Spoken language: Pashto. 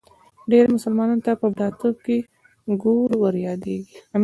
ډېری مسلمانانو ته په بوډاتوب کې ګور وریادېږي.